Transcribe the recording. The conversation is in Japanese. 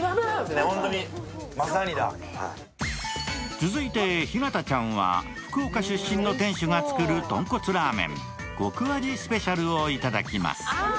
続いて、日向ちゃんは福岡出身の店主が作る豚骨ラーメン、こく味スペシャルをいただきます。